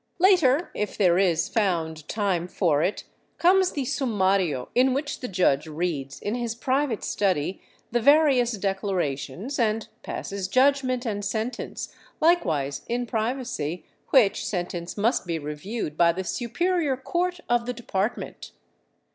Later, if there is found time for it, comes the sumario in which the judge reads in his private study the various declarations and passes judgment and sentence, likewise in privacy, which sentence must be reviewed by the Superior Court of the De partment.